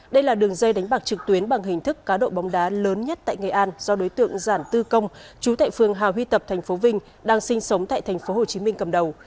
đây là đường dây đánh bạc trực tuyến bằng hình thức cá độ bóng đá lớn nhất tại nghệ an do đối tượng giản tư công chú tại phương hào huy tập tp vinh đang sinh sống tại tp hồ chí minh cầm đầu